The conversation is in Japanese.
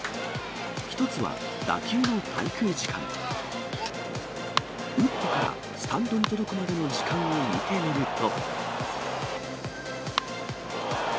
１つは、打球の滞空時間。打ってからスタンドに届くまでの時間を見てみると。